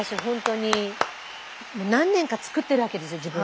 本当に何年か作ってるわけですよ